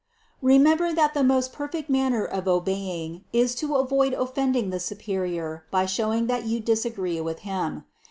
451. Remember that the most perfect manner of obey ing is to avoid offending the superior by showing that you disagree with him.